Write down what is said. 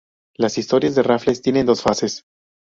Las historias de Raffles tienen dos fases.